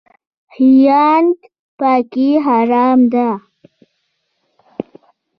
خیانت پکې حرام دی